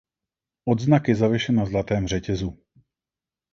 Odznak je zavěšen na zlatém řetězu.